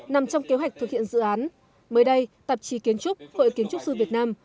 nằm trong kế hoạch thực hiện dự án mới đây tạp chí kiến trúc hội kiến trúc sư việt nam